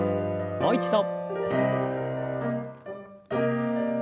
もう一度。